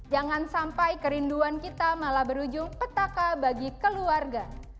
jangan sampai kerinduan kita malah berujung petaka bagi keluarga